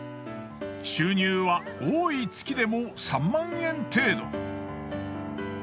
収入は多い月でも３万円程度。